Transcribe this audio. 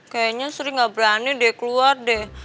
kayanya sri gak berani deh keluar deh